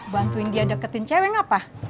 bantuin dia deketin ceweng apa